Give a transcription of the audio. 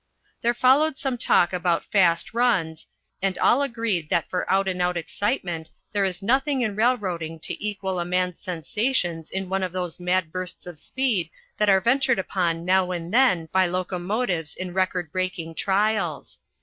There followed some talk about fast runs, and all agreed that for out and out excitement there is nothing in railroading to equal a man's sensations in one of those mad bursts of speed that are ventured upon now and then by locomotives in record breaking trials.